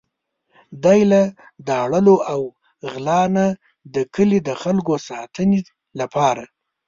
دی له داړلو او غلا نه د کلي د خلکو ساتنې لپاره.